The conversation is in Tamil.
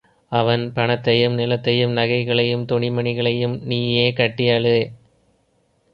அவன் பணத்தையும், நிலத்தையும், நகைகளையும், துணிமணிகளையும் நீயே கட்டி அழு.